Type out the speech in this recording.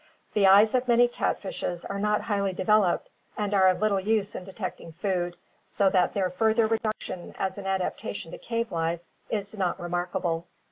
The eyes of many catfishes are not highly developed and are of little use in detecting food, so that their further reduction as an adaptation to cave life is not remark able.